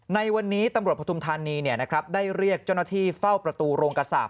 ในวันนี้ตำรวจพระทุมธารณีเนี่ยนะครับได้เรียกเจ้าหน้าที่เฝ้าประตูโรงกษาบ